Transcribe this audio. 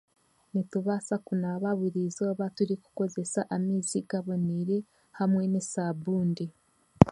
Nitubaasa kunaaba buri eizooba turikukoresa amaizi gaboneire hamwe n'esabuuni